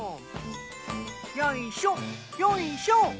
よいしょよいしょ。